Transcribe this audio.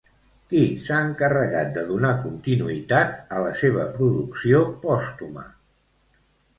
Qui s'ha encarregat de donar continuïtat a la seva producció pòstuma?